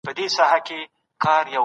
عملي ټولنپوهنه د ټولنیزو ستونزو حل لټوي.